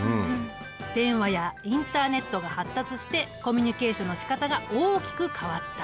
電話やインターネットが発達してコミュニケーションのしかたが大きく変わった。